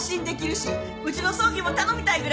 うちの葬儀も頼みたいぐらいですわ。